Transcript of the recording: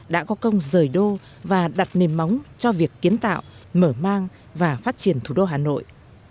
đã có công rời đô và đặt nền móng cho việc kiến tạo mở mang và phát triển thủ đô hà nội